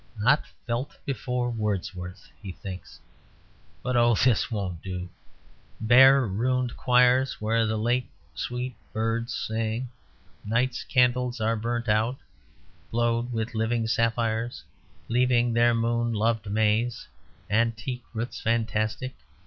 "Not felt before Wordsworth!" he thinks. "Oh, but this won't do... bare ruined choirs where late the sweet birds sang... night's candles are burnt out... glowed with living sapphires... leaving their moon loved maze... antique roots fantastic...